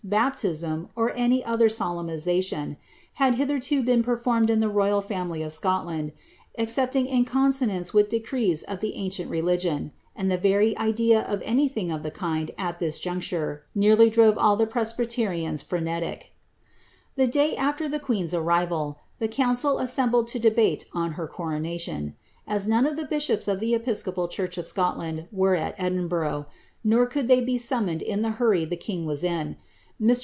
baplism, or any otlier solemnization, had hitherto been performed in ihf royal family of Scotland, excepting in consonance with decrees of ilie ancient religion ; and ilie very idea of anything of the kind at this'junc turc nearly drove all the presbyierians fienelic' The day after the queen's arrival, ihe council assembled to debate on her coronation. As none of the bishops of the episcopal church of Scotland were al Edinburgh, (nor could ihey be summoned in the hurrv the king was in>) Jlr.